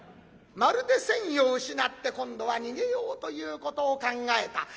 まるで戦意を失って今度は逃げようということを考えた。